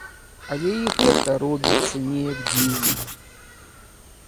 Але і гэта робіцца неяк дзіўна.